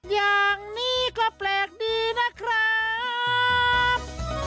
อย่างนี้ก็แปลกดีนะครับ